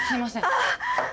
ああ。